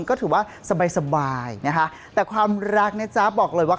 ก็ถือว่าสบายนะคะแต่ความรักนะจ๊ะบอกเลยว่า